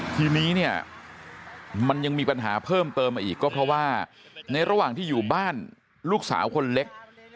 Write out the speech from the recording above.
ทีนี้เนี่ยมันยังมีปัญหาเพิ่มเติมมาอีกก็เพราะว่าในระหว่างที่อยู่บ้านลูกสาวคนเล็ก